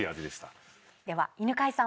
では犬養さん